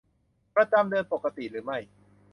ประจำเดือนปกติหรือไม่